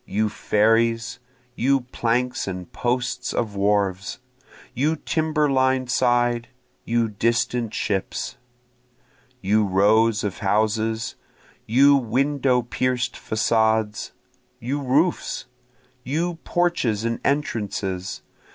You ferries! you planks and posts of wharves! you timber lined side! you distant ships! You rows of houses! you window pierc'd facades! you roofs! You porches and entrances!